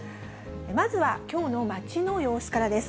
まずはきょうの街の様子からです。